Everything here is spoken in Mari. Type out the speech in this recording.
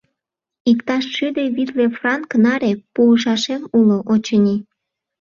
Иктаж шӱдӧ витле франк наре пуышашем уло, очыни.